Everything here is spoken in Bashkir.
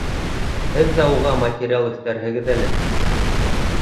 Һеҙ ҙә уға материал өҫтәрһегеҙ әле.